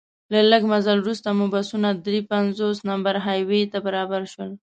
له لږ مزل وروسته مو بسونه درې پنځوس نمبر های وې ته برابر شول.